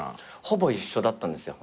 ほぼ一緒だったんですよ